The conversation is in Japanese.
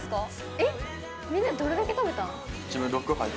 えっみんなどれだけ食べた？